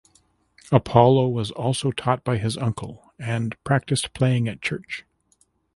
Apollo was also taught by his uncle and practiced playing at church.